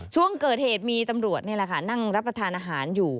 ช่วงเกิดเหตุมีตำรวจนี่แหละค่ะนั่งรับประทานอาหารอยู่